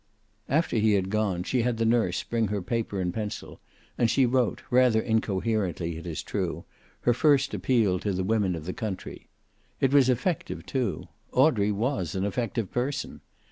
After he had gone, she had the nurse bring her paper and pencil, and she wrote, rather incoherently, it is true, her first appeal to the women of the country. It was effective, too. Audrey was an effective person.